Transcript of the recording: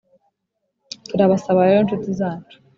turabasaba rero nshuti zacu,